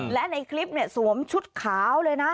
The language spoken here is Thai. และในคลิปสวมชุดขาวเลยนะ